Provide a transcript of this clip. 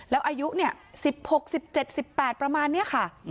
แล้วอายุเนี่ย๑๖๑๗๑๘ประมาณนี้ค่ะ